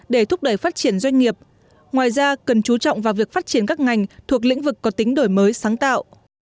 để thúc đẩy phát triển doanh nghiệp ngoài ra cần chú trọng vào việc phát triển các ngành thuộc lĩnh vực có tính đổi mới sáng tạo